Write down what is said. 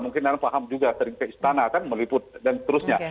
mungkin anda paham juga sering ke istana kan meliput dan seterusnya